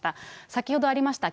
先ほどありました